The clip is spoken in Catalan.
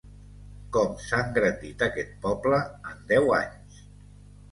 Com s'ha engrandit aquest poble, en deu anys!